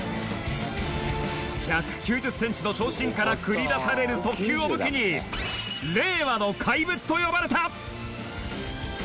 １９０センチの長身から繰り出される速球を武器に令和の怪物と呼ばれた。